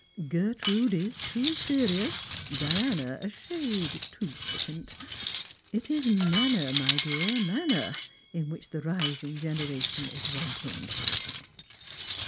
Gertrude is too serious, Diana a shade too flippant. It is manner, my dear, manner, in which the rising generation is wanting."